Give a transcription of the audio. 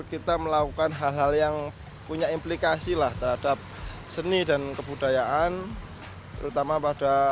kita melakukan hal hal yang punya implikasi lah terhadap seni dan kebudayaan terutama pada